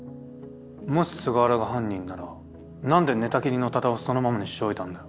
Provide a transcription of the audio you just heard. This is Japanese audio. もし菅原が犯人ならなんで寝たきりの多田をそのままにしておいたんだよ？